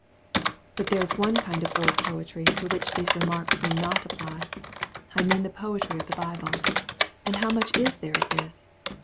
But there is one kind of old poetry to which these remarks may not apply I mean the POETRY OF THE BIBLE. And how much is there of this!